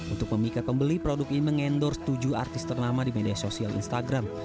untuk memikat pembeli produk ini mengendorse tujuh artis ternama di media sosial instagram